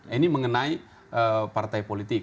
ini mengenai partai politik